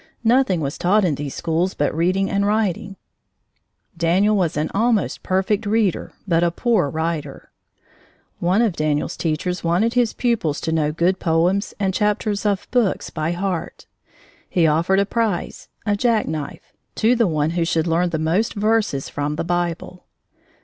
Nothing was taught in these schools but reading and writing. Daniel was an almost perfect reader but a poor writer. One of Daniel's teachers wanted his pupils to know good poems and chapters of books by heart. He offered a prize a jack knife to the one who should learn the most verses from the Bible.